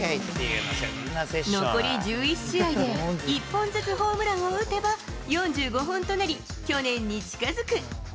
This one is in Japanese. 残り１１試合で１本ずつホームランを打てば４５本となり、去年に近づく。